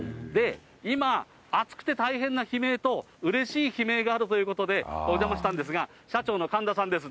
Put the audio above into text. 今、暑くて大変な悲鳴と、うれしい悲鳴があるということで、お邪魔したんですが、社長の神田さんです。